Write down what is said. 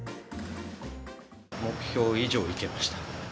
目標以上いけました。